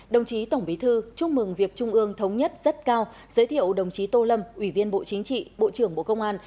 đồng chí tổng bí thư chúc mừng việc trung ương thống nhất rất cao giới thiệu đồng chí tô lâm ủy viên bộ chính trị bộ trưởng bộ công an